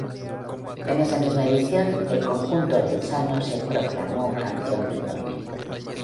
En esa misma edición, el conjunto orensano se proclamó campeón del torneo.